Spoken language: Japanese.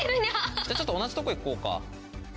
じゃちょっと同じとこ行こうか。